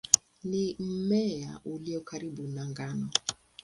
Ni mmea ulio karibu na ngano.